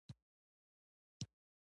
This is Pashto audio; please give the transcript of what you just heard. ژوند وکه؛ خو د ټيټو سترګو دا نه.